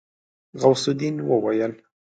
غوث الدين وويل.